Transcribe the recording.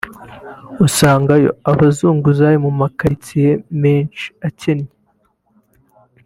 usangayo abazunguzayi mu ma quartiers menshi akennye